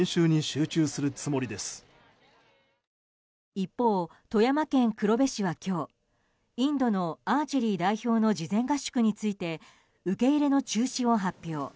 一方、富山県黒部市は今日インドのアーチェリー代表の事前合宿について受け入れの中止を発表。